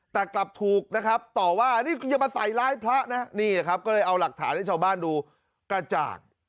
แต่กลับถูกนะครับต่อว่านี่อย่ามาใส่ร้ายพระนะนี่ครับก็เลยเอาหลักฐานให้ชาวบ้านดูกระจ่าง